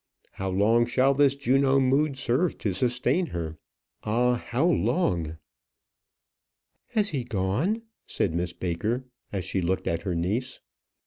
How long shall this Juno mood serve to sustain her? Ah! how long? "Has he gone?" said Miss Baker, as she looked at her niece.